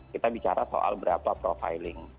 kita bicara soal berapa profiling